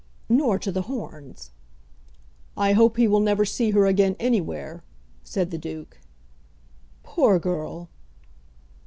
"Nor to The Horns." "I hope he will never see her again anywhere," said the Duke. "Poor girl!"